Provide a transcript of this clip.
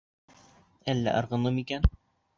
Әллә ырғынымы икән?